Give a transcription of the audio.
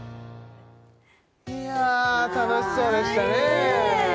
いや楽しそうでしたね